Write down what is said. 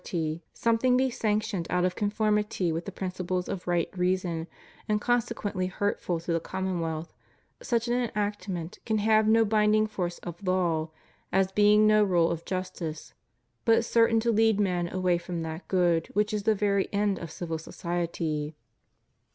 143 iiy, something be sanctioned out of conformity with the principles of right reason, and consequently hurtful to the commonwealth, such an enactment can have no binding force of law, as being no rule of justice, but cer tain to lead men away from that good which is the very end of civil society.